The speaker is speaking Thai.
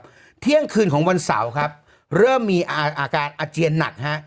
เที่ยงคืนของวันเสาร์ครับเริ่มมีอาการอาเจียนหนักฮะ